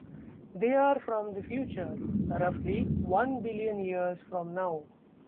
They are from the future: roughly one billion years from now.